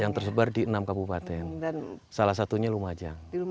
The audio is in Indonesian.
yang tersebar di enam kabupaten salah satunya lumajang